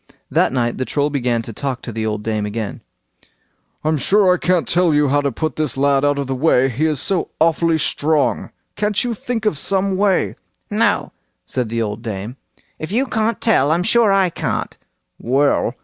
That night the Troll began to talk to the old dame again. "I'm sure I can't tell how to put this lad out of the way—he is so awfully strong; can't you think of some way? "No," said the old dame, "if you can't tell, I'm sure I can't." "Well!"